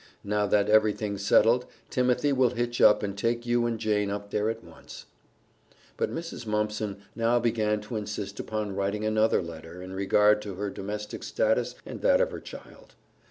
Now that everything's settled, Timothy will hitch up and take you and Jane up there at once." But Mrs. Mumpson now began to insist upon writing another letter in regard to her domestic status and that of her child.